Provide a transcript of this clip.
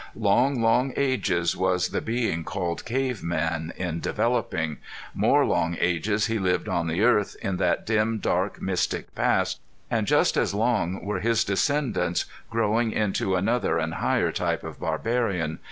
Long, long ages was the being called cave man in developing; more long ages he lived on the earth, in that dim dark mystic past; and just as long were his descendants growing into another and higher type of barbarian.